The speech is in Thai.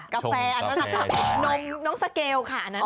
กาแฟอันนั้นค่ะน้องสเกลค่ะ